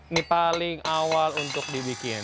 ini paling awal untuk dibikin